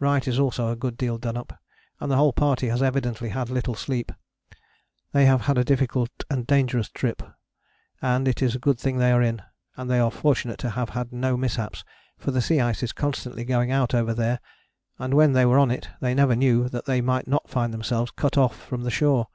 Wright is also a good deal done up, and the whole party has evidently had little sleep. They have had a difficult and dangerous trip, and it is a good thing they are in, and they are fortunate to have had no mishaps, for the sea ice is constantly going out over there, and when they were on it they never knew that they might not find themselves cut off from the shore.